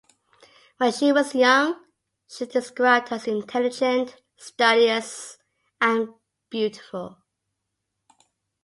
When she was young, she was described as intelligent, studious, and beautiful.